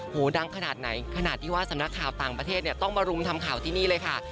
ดังขนาดไหนขนาดที่ว่าสำนักข่าวต่างประเทศเนี่ยต้องมารุมทำข่าวที่นี่เลยค่ะ